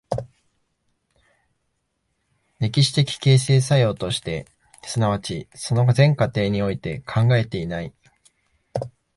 歴史的形成作用として、即ちその全過程において考えていない。